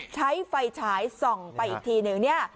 ใช้ไฟฉายส่องไปอีกทีหนึ่ง